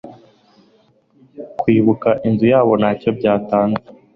Kwibuka inzu yabo ntacyo byatanze